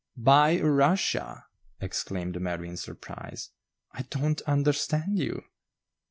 "Buy Rushia!" exclaimed Mary in surprise; "I don't understand you."